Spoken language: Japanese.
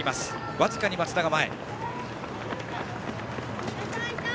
僅かに松田が前。